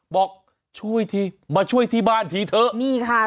บอกมาช่วยที่บ้านถรีเถอะนี่ค่ะ